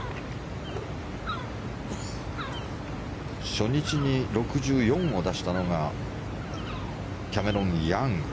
初日に６４を出したのがキャメロン・ヤング。